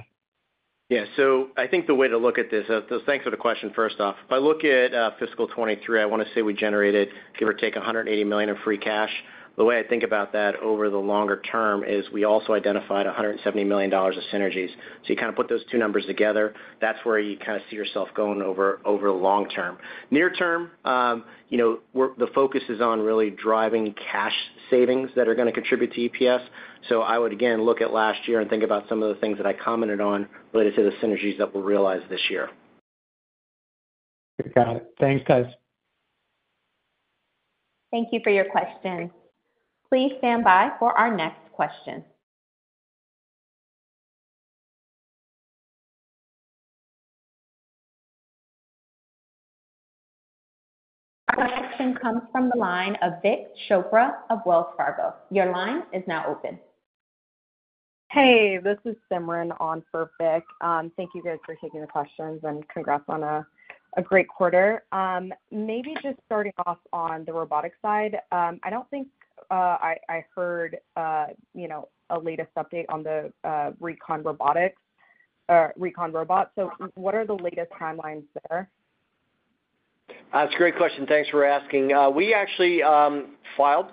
Speaker 4: Yeah. So I think the way to look at this, so thanks for the question, first off. If I look at fiscal 2023, I want to say we generated, give or take, $180 million of free cash. The way I think about that over the longer term is we also identified $170 million of synergies. So you kind of put those two numbers together, that's where you kind of see yourself going over long term. Near term, you know, we're the focus is on really driving cash savings that are going to contribute to EPS. So I would again, look at last year and think about some of the things that I commented on related to the synergies that we'll realize this year.
Speaker 9: Got it. Thanks, guys.
Speaker 1: Thank you for your question. Please stand by for our next question. Our next question comes from the line of Vik Chopra of Wells Fargo. Your line is now open.
Speaker 10: Hey, this is Simran on for Vik. Thank you guys for taking the questions, and congrats on a great quarter. Maybe just starting off on the robotics side. I don't think I heard, you know, a latest update on the recon robotics or recon robot. So what are the latest timelines there?
Speaker 3: It's a great question. Thanks for asking. We actually filed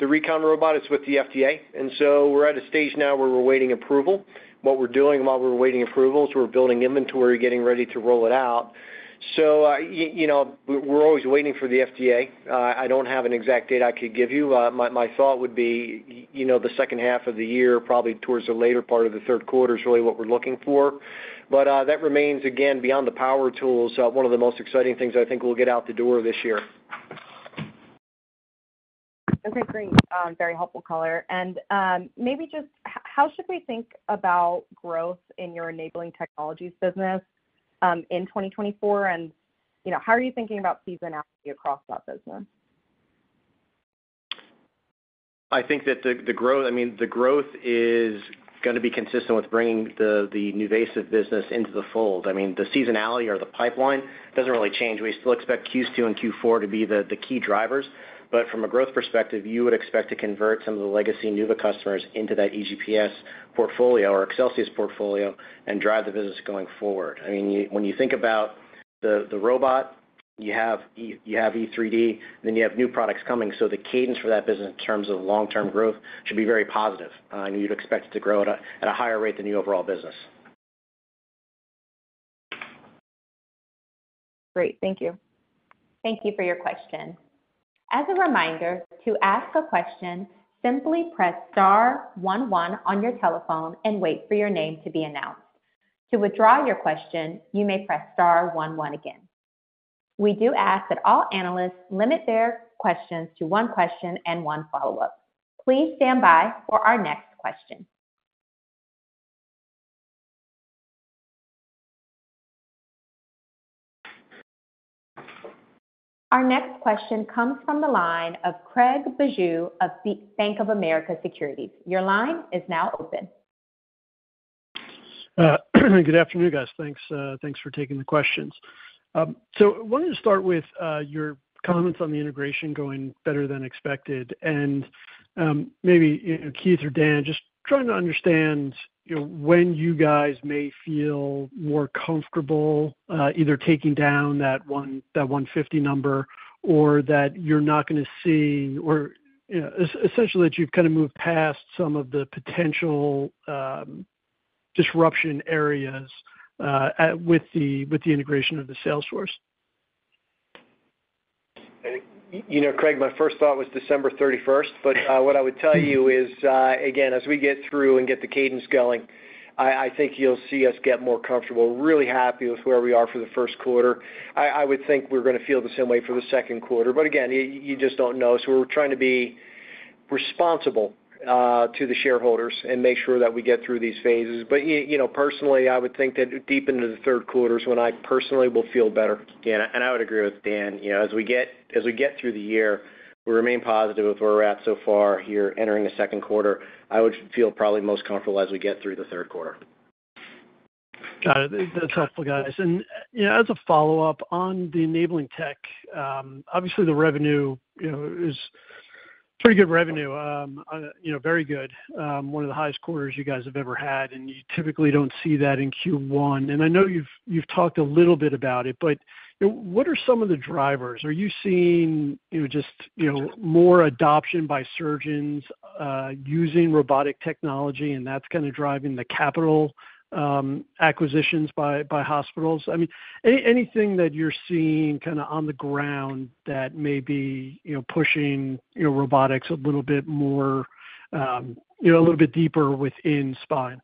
Speaker 3: the recon robot. It's with the FDA, and so we're at a stage now where we're awaiting approval. What we're doing while we're awaiting approval is we're building inventory, getting ready to roll it out. So, you know, we're always waiting for the FDA. I don't have an exact date I could give you. My thought would be, you know, the second half of the year, probably towards the later part of the third quarter, is really what we're looking for. But that remains, again, beyond the power tools, one of the most exciting things I think we'll get out the door this year.
Speaker 10: Okay, great. Very helpful color. And maybe just how should we think about growth in your Enabling Technologies business in 2024? And, you know, how are you thinking about seasonality across that business?
Speaker 4: I think that the growth—I mean, the growth is going to be consistent with bringing the NuVasive business into the fold. I mean, the seasonality or the pipeline doesn't really change. We still expect Q2 and Q4 to be the key drivers, but from a growth perspective, you would expect to convert some of the legacy Nuva customers into that EGPS portfolio or Excelsius portfolio and drive the business going forward. I mean, you, when you think about the robot, you have E3D, then you have new products coming. So the cadence for that business in terms of long-term growth should be very positive, and you'd expect it to grow at a higher rate than the overall business.
Speaker 10: Great. Thank you.
Speaker 1: Thank you for your question. As a reminder, to ask a question, simply press star one one on your telephone and wait for your name to be announced. To withdraw your question, you may press star one one again. We do ask that all analysts limit their questions to one question and one follow-up. Please stand by for our next question. Our next question comes from the line of Craig Bijou of Bank of America Securities. Your line is now open.
Speaker 11: Good afternoon, guys. Thanks, thanks for taking the questions. I wanted to start with your comments on the integration going better than expected. Maybe, you know, Keith or Dan, just trying to understand, you know, when you guys may feel more comfortable, either taking down that 150 number, or that you're not going to see, or essentially, that you've kind of moved past some of the potential disruption areas with the integration of the sales force.
Speaker 3: You know, Craig, my first thought was December 31st. But what I would tell you is, again, as we get through and get the cadence going, I think you'll see us get more comfortable. Really happy with where we are for the first quarter. I would think we're going to feel the same way for the second quarter, but again, you just don't know. So we're trying to be responsible to the shareholders and make sure that we get through these phases. But you know, personally, I would think that deep into the third quarter is when I personally will feel better.
Speaker 4: Yeah, and I would agree with Dan. You know, as we get through the year, we remain positive of where we're at so far here entering the second quarter. I would feel probably most comfortable as we get through the third quarter.
Speaker 11: Got it. That's helpful, guys. And, you know, as a follow-up, on the Enabling Tech, obviously, the revenue, you know, is pretty good revenue. You know, very good. One of the highest quarters you guys have ever had, and you typically don't see that in Q1. And I know you've talked a little bit about it, but you know, what are some of the drivers? Are you seeing just more adoption by surgeons using robotic technology, and that's kind of driving the capital acquisitions by hospitals? I mean, anything that you're seeing kind of on the ground that may be pushing your robotics a little bit more a little bit deeper within spine?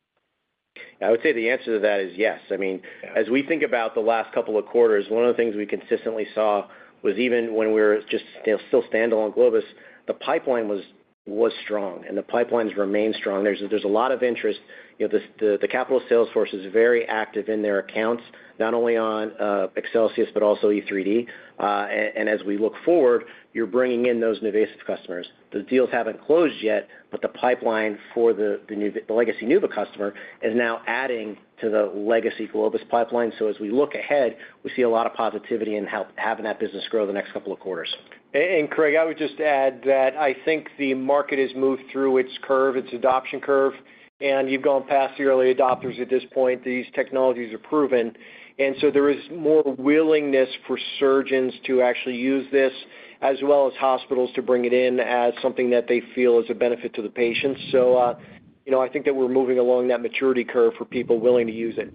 Speaker 4: I would say the answer to that is yes. I mean, as we think about the last couple of quarters, one of the things we consistently saw was even when we were just, you know, still standalone Globus, the pipeline was strong, and the pipelines remain strong. There's a lot of interest. You know, the capital sales force is very active in their accounts, not only on Excelsius, but also E3D. And as we look forward, you're bringing in those NuVasive customers. The deals haven't closed yet, but the pipeline for the legacy NuVasive customer is now adding to the legacy Globus pipeline. So as we look ahead, we see a lot of positivity in having that business grow the next couple of quarters.
Speaker 3: And Craig, I would just add that I think the market has moved through its curve, its adoption curve, and you've gone past the early adopters at this point. These technologies are proven, and so there is more willingness for surgeons to actually use this, as well as hospitals to bring it in as something that they feel is a benefit to the patients. So, you know, I think that we're moving along that maturity curve for people willing to use it.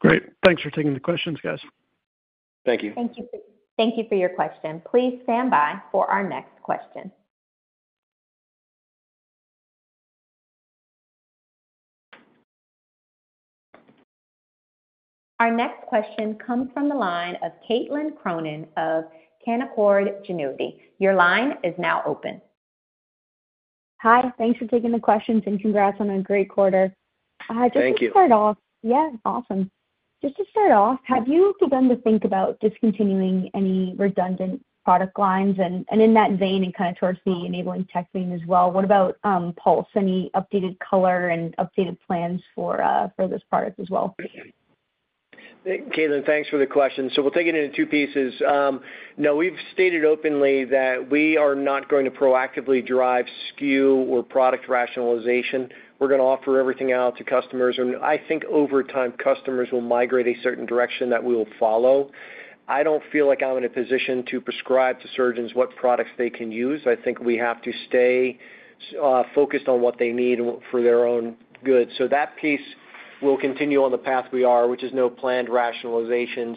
Speaker 11: Great. Thanks for taking the questions, guys.
Speaker 4: Thank you.
Speaker 1: Thank you. Thank you for your question. Please stand by for our next question. Our next question comes from the line of Caitlin Cronin of Canaccord Genuity. Your line is now open.
Speaker 12: Hi, thanks for taking the questions, and congrats on a great quarter.
Speaker 3: Thank you.
Speaker 12: Just to start off. Yeah, awesome. Just to start off, have you begun to think about discontinuing any redundant product lines? And in that vein, and kind of towards the enabling tech vein as well, what about Pulse? Any updated color and updated plans for this product as well?
Speaker 3: Caitlin, thanks for the question. So we'll take it into two pieces. Now we've stated openly that we are not going to proactively drive SKU or product rationalization. We're going to offer everything out to customers, and I think over time, customers will migrate a certain direction that we will follow. I don't feel like I'm in a position to prescribe to surgeons what products they can use. I think we have to stay focused on what they need for their own good. So that piece will continue on the path we are, which is no planned rationalizations.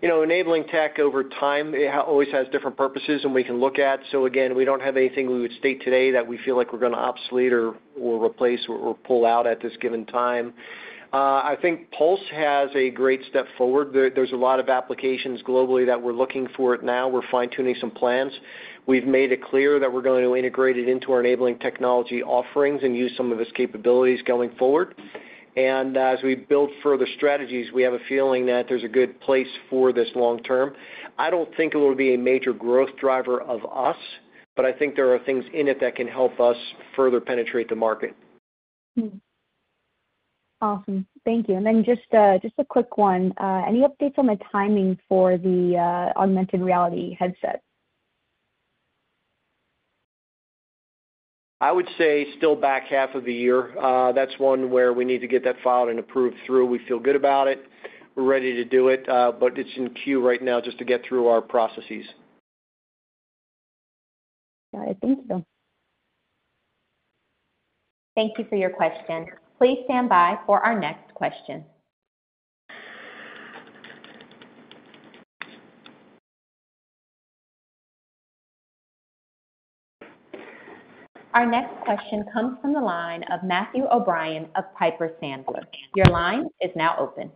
Speaker 3: You know, enabling tech over time, it always has different purposes, and we can look at. So again, we don't have anything we would state today that we feel like we're going to obsolete or replace or pull out at this given time. I think Pulse has a great step forward. There's a lot of applications globally that we're looking for it now. We're fine-tuning some plans. We've made it clear that we're going to integrate it into our enabling technology offerings and use some of its capabilities going forward. And as we build further strategies, we have a feeling that there's a good place for this long term. I don't think it will be a major growth driver of us, but I think there are things in it that can help us further penetrate the market.
Speaker 12: Hmm. Awesome. Thank you. And then just a quick one. Any updates on the timing for the augmented reality headset?
Speaker 3: I would say still back half of the year. That's one where we need to get that filed and approved through. We feel good about it. We're ready to do it, but it's in queue right now just to get through our processes.
Speaker 12: Got it. Thank you.
Speaker 1: Thank you for your question. Please stand by for our next question. Our next question comes from the line of Matthew O'Brien of Piper Sandler. Your line is now open.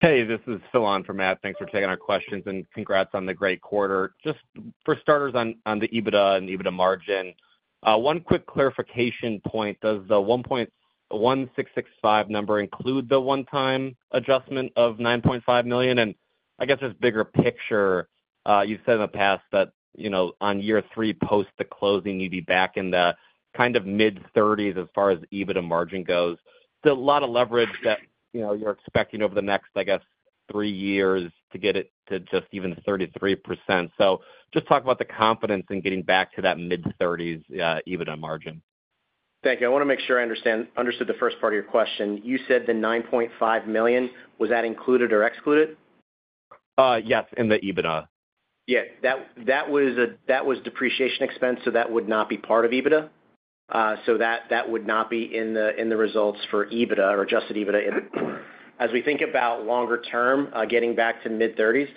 Speaker 13: Hey, this is Phil for Matt. Thanks for taking our questions, and congrats on the great quarter. Just for starters, on the EBITDA and EBITDA margin, one quick clarification point. Does the $166.5 million number include the one-time adjustment of $9.5 million? And I guess just bigger picture, you've said in the past that, you know, on year three, post the closing, you'd be back in the kind of mid-30s as far as EBITDA margin goes. There's a lot of leverage that, you know, you're expecting over the next, I guess, three years to get it to just even 33%. So just talk about the confidence in getting back to that mid-30s EBITDA margin.
Speaker 4: Thank you. I want to make sure I understand-understood the first part of your question. You said the $9.5 million, was that included or excluded?
Speaker 13: Yes, in the EBITDA.
Speaker 4: Yeah, that was depreciation expense, so that would not be part of EBITDA. So that would not be in the results for EBITDA or adjusted EBITDA. As we think about longer term, getting back to mid-30s,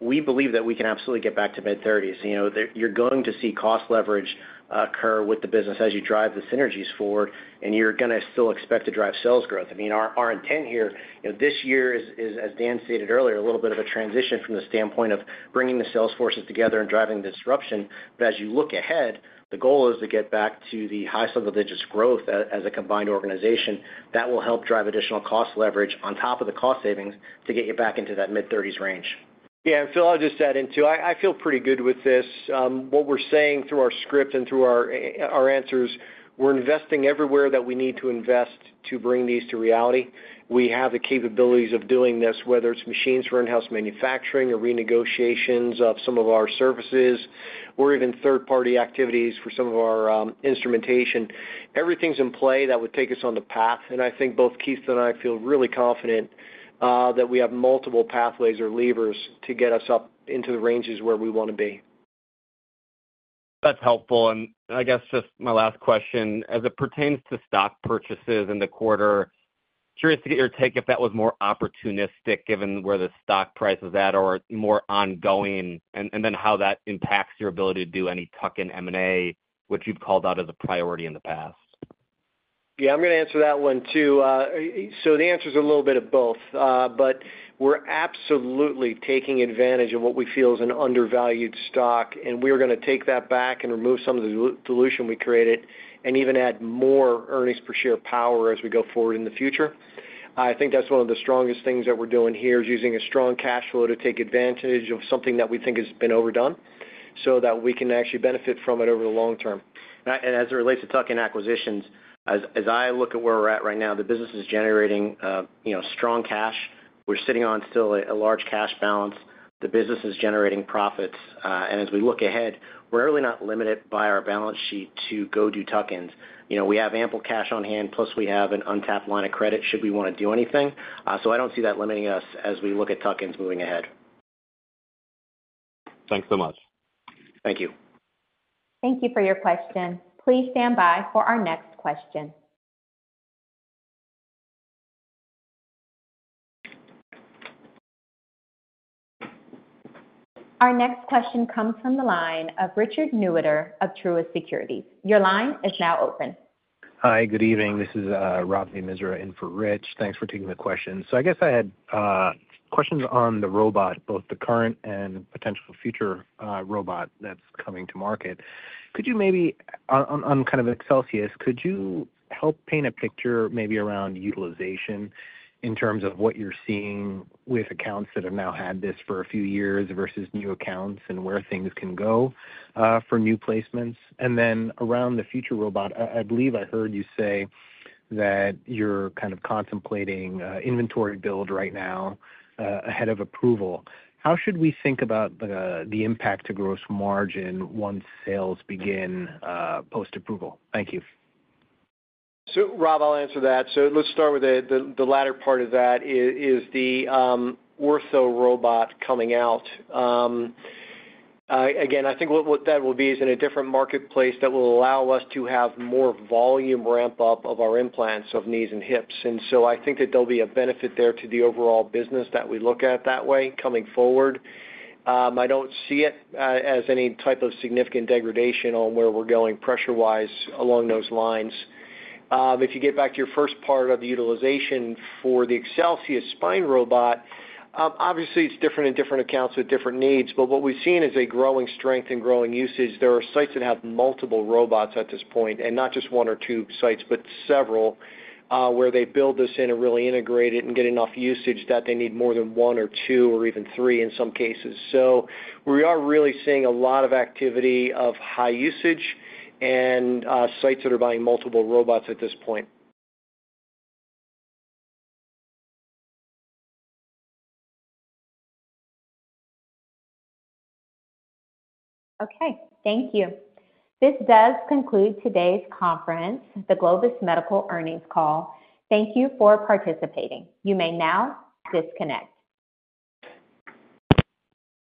Speaker 4: we believe that we can absolutely get back to mid-30s. You know, you're going to see cost leverage occur with the business as you drive the synergies forward, and you're going to still expect to drive sales growth. I mean, our intent here, you know, this year is, as Dan stated earlier, a little bit of a transition from the standpoint of bringing the sales forces together and driving the disruption. But as you look ahead, the goal is to get back to the high single digits growth as a combined organization. That will help drive additional cost leverage on top of the cost savings to get you back into that mid-30s range.
Speaker 3: Yeah, and Phil, I'll just add in, too. I, I feel pretty good with this. What we're saying through our script and through our, our answers, we're investing everywhere that we need to invest to bring these to reality. We have the capabilities of doing this, whether it's machines for in-house manufacturing or renegotiations of some of our services, or even third-party activities for some of our instrumentation. Everything's in play that would take us on the path, and I think both Keith and I feel really confident, that we have multiple pathways or levers to get us up into the ranges where we wanna be.
Speaker 13: That's helpful. And I guess just my last question: as it pertains to stock purchases in the quarter, curious to get your take if that was more opportunistic, given where the stock price is at, or more ongoing, and, and then how that impacts your ability to do any tuck-in M&A, which you've called out as a priority in the past.
Speaker 3: Yeah, I'm gonna answer that one, too. So the answer is a little bit of both. But we're absolutely taking advantage of what we feel is an undervalued stock, and we are gonna take that back and remove some of the dilution we created, and even add more earnings per share power as we go forward in the future. I think that's one of the strongest things that we're doing here, is using a strong cash flow to take advantage of something that we think has been overdone, so that we can actually benefit from it over the long term.
Speaker 4: And as it relates to tuck-in acquisitions, as I look at where we're at right now, the business is generating, you know, strong cash. We're sitting on still a large cash balance. The business is generating profits, and as we look ahead, we're really not limited by our balance sheet to go do tuck-ins. You know, we have ample cash on hand, plus we have an untapped line of credit should we wanna do anything, so I don't see that limiting us as we look at tuck-ins moving ahead.
Speaker 13: Thanks so much.
Speaker 4: Thank you.
Speaker 1: Thank you for your question. Please stand by for our next question. Our next question comes from the line of Richard Newitter of Truist Securities. Your line is now open.
Speaker 14: Hi, good evening. This is Ravi Misra in for Rich. Thanks for taking the question. So I guess I had questions on the robot, both the current and potential future robot that's coming to market. Could you maybe on kind of Excelsius help paint a picture maybe around utilization in terms of what you're seeing with accounts that have now had this for a few years versus new accounts, and where things can go for new placements? And then around the future robot, I believe I heard you say that you're kind of contemplating inventory build right now ahead of approval. How should we think about the impact to gross margin once sales begin post-approval? Thank you.
Speaker 3: So Ravi, I'll answer that. So let's start with the latter part of that, the ortho robot coming out. Again, I think what that will be is in a different marketplace that will allow us to have more volume ramp up of our implants of knees and hips. And so I think that there'll be a benefit there to the overall business that we look at that way coming forward. I don't see it as any type of significant degradation on where we're going pressure-wise along those lines. If you get back to your first part of the utilization for the Excelsius spine robot, obviously, it's different in different accounts with different needs, but what we've seen is a growing strength and growing usage. There are sites that have multiple robots at this point, and not just one or two sites, but several, where they build this in and really integrate it and get enough usage that they need more than one or two or even three in some cases. So we are really seeing a lot of activity of high usage and, sites that are buying multiple robots at this point.
Speaker 1: Okay, thank you. This does conclude today's conference, the Globus Medical earnings call. Thank you for participating. You may now disconnect.